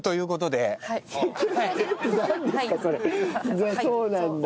じゃあそうなんだ。